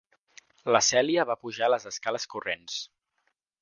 La Celia va pujar las escales corrents.